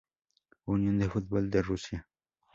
Unión del Fútbol de Rusia.